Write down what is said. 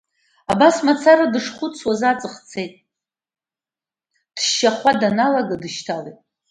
Абас мацара дышхәыцуаз аҵх цеит, дшьахуа даналага, дышьҭалеит.